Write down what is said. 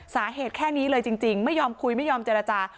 สาเหตุแค่นี้เลยจริงไม่ยอมคุยไม่ยอมเจรจา